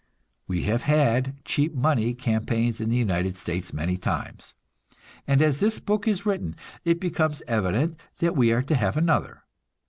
We have had "cheap money" campaigns in the United States many times, and as this book is written, it becomes evident that we are to have another.